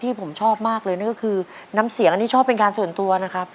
ที่ชอบมากเลยนะน้ำเสียงชอบเป็นการส่วนตัวนะครับ